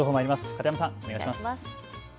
片山さん、お願いします。